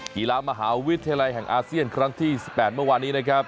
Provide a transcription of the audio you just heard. กีฬามหาวิทยาลัยแห่งอาเซียนครั้งที่๑๘เมื่อวานนี้นะครับ